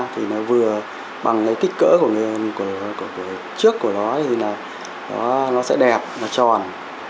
thì nó vừa bằng cái kích cỡ của trước của nó thì nó sẽ đẹp nó tròn